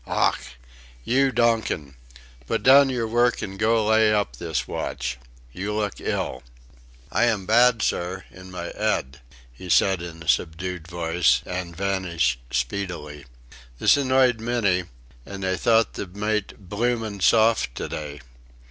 "Ough! You, Donkin! Put down your work and go lay up this watch. You look ill." "I am bad, sir in my 'ead," he said in a subdued voice, and vanished speedily. This annoyed many, and they thought the mate "bloomin' soft to day."